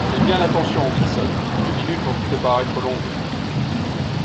Fais bien attention, Wilson, les minutes ont dû te paraître longues!